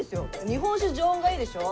日本酒常温がいいでしょ？